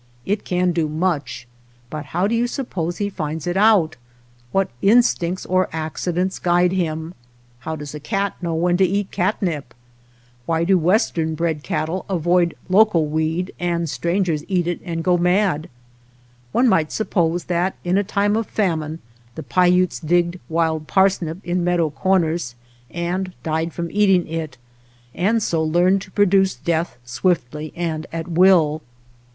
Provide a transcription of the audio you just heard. It can do much, but how do you suppose he finds it out ; what instincts or accidents guide him } How does a cat know when to eat catnip ? Why do western bred cattle avoid loco weed, and strangers eat it and go mad } One might suppose that in a time of famine the Paiutes digged wild parsnip in meadow 233 OTHER WATER BORDERS corners and died from eating it, and so learned to produce death swiftly and at will.